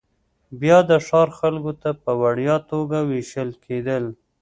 بیا د ښار خلکو ته په وړیا توګه وېشل کېدل